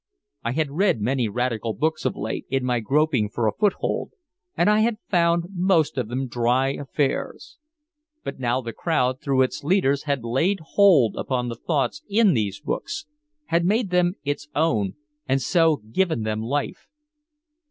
I had read many radical books of late, in my groping for a foothold, and I had found most of them dry affairs. But now the crowd through its leaders had laid hold upon the thoughts in these books, had made them its own and so given them life.